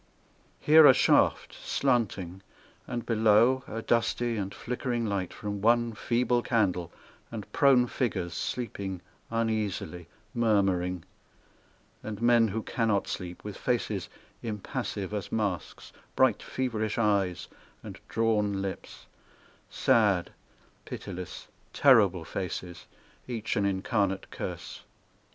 Here a shaft, slanting, and below A dusty and flickering light from one feeble candle And prone figures sleeping uneasily, Murmuring, And men who cannot sleep, With faces impassive as masks, Bright, feverish eyes, and drawn lips, Sad, pitiless, terrible faces, Each an incarnate curse.